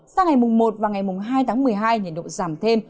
sau ngày một và ngày hai tháng một mươi hai nhiệt độ giảm thêm